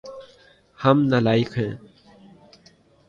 ہم نالائق ہیے